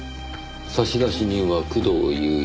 差出人は工藤勇一。